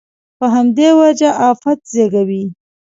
په همدې وجه افت زېږوي.